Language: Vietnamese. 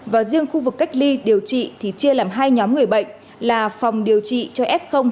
và riêng khu vực cách ly điều trị thì chia làm hai nhóm người bệnh là phòng điều trị cho f